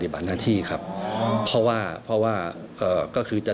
พี่โจม